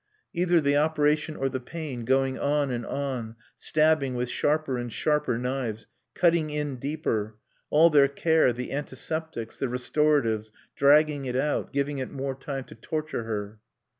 Either the operation or the pain, going on and on, stabbing with sharper and sharper knives; cutting in deeper; all their care, the antiseptics, the restoratives, dragging it out, giving it more time to torture her.